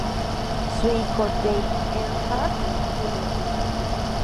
Su hijo Dale Earnhardt Jr.